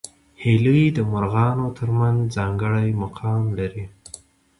هیلۍ د مرغانو تر منځ ځانګړی مقام لري